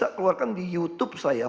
saya keluarkan di youtube saya